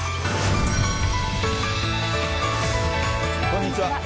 こんにちは。